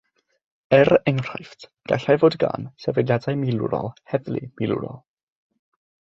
Er enghraifft, gallai fod gan sefydliadau milwrol heddlu milwrol.